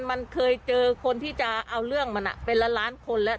มันเคยเจอคนที่จะเอาเรื่องมันเป็นละล้านคนแล้ว